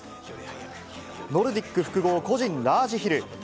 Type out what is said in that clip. ノルディック複合個人ラージヒル。